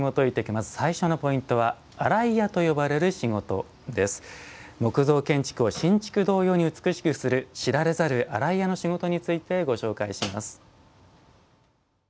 まず最初のポイントは木造建築を新築同様に美しくする知られざる洗い屋の仕事についてご紹介します。